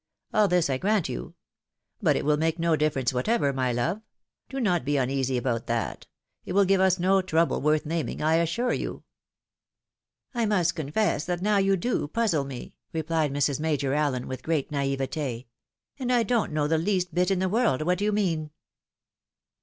All this I grant you ; but it will make no diflference whatever, my love. Do not be uneasy about that. It will give us no trouble worth naming, I assure you." " I must confess that now you do puzzle me," replied Mrs. Major Allen, with great naivete, " and I don't know the least bit in the world what you mean."